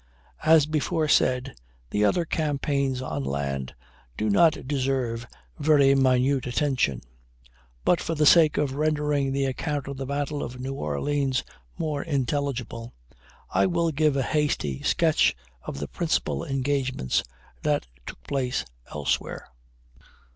As before said, the other campaigns on land do not deserve very minute attention; but, for the sake of rendering the account of the battle of New Orleans more intelligible, I will give a hasty sketch of the principal engagements that took place elsewhere.